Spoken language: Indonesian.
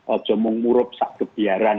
objomung murup sak kebiaran